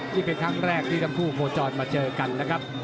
นี่เป็นครั้งแรกที่ทั้งคู่โคจรมาเจอกันนะครับ